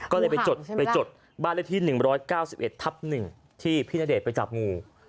ก็เลยไปจดบ้านเลขที่๑๙๑ทับ๑ที่พี่ณเดชน์ไปจับงู